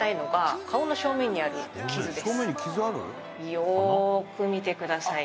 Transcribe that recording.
よーく見てください